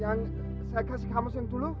yang saya kasih kamus yang dulu